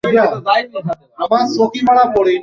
Abu Sufyan তার কবিতার শয়তানকে জাগ্রত করলেন।